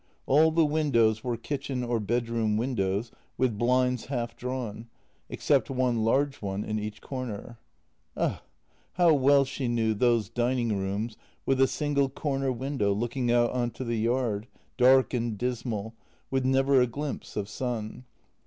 All the windows were kitchen or bedroom windows with blinds half drawn, except one large one in each corner. Ugh! How well she knew those dining rooms with a single corner window looking on to the yard, dark and dismal, with never a glimpse of sun.